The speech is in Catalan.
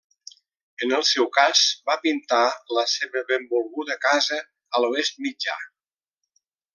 En el seu cas, va pintar la seva benvolguda casa a l'Oest Mitjà.